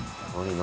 何？